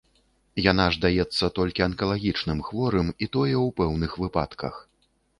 Яна ж даецца толькі анкалагічным хворым, і тое, у пэўных выпадках.